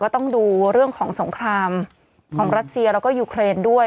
ต้องดูเรื่องของสงครามของรัสเซียแล้วก็ยูเครนด้วย